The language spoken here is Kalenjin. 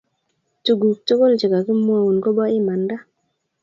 Tuguk tugul chegakimwaun koba imanda